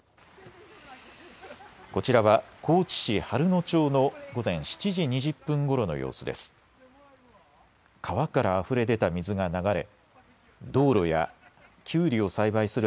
こちらは高知市春野町の午前７時２０分ごろの様子です。